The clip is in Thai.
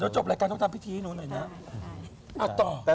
เดี๋ยวจบรายการต้องทำพิธีนู้นหน่อยนะ